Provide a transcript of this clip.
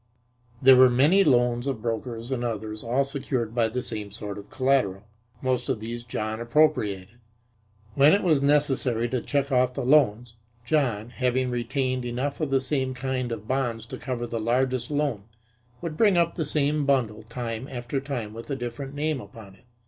There were many loans of brokers and others all secured by the same sort of collateral. Most of these John appropriated. When it was necessary to check off the loans, John, having retained enough of the same kind of bonds to cover the largest loan, would bring up the same bundle time after time with a different name upon it.